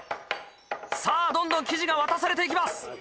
さぁどんどん生地が渡されていきます。